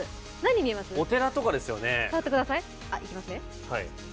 お寺とかですよね。